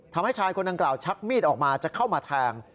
ทำให้ชายคนดังกล่าวชักมีดออกมาจะเข้ามาแทง